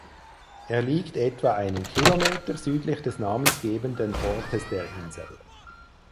Er liegt etwa einen Kilometer südlich des namengebenden Ortes der Insel.